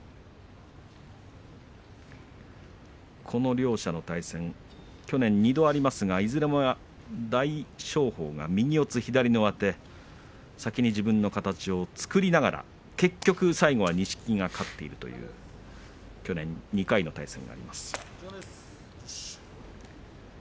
この両者の対戦、去年は２度ありますがいずれも大翔鵬は右四つ左上手、先に自分の形を作りながら結局、最後は錦木が勝っているという去年の２回の対戦でした。